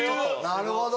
なるほど。